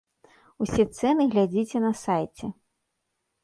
Усе цэны глядзіце на сайце.